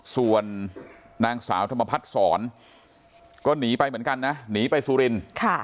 ส่วนนางสาวธรรมพัฒนศรก็หนีไปเหมือนกันนะหนีไปสุรินทร์